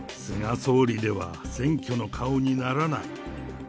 総理では選挙の顔にならない。